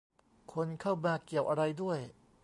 คนเข้ามาเกี่ยวอะไรด้วย